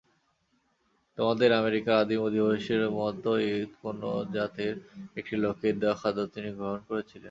তোমাদের আমেরিকার আদিম অধিবাসীদের মতই কোন জাতের একটি লোকের দেওয়া খাদ্য তিনি গ্রহণ করেছিলেন।